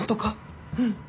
うん。